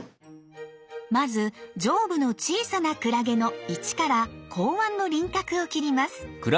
まず上部の小さなクラゲの１から口腕の輪郭を切ります。